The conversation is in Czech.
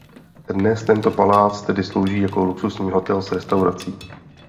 Dnes tento palác tedy slouží jako luxusní hotel s restaurací.